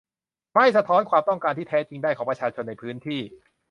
ไม่สะท้อนความต้องการที่แท้จริงได้ของประชาชนในพื้นที่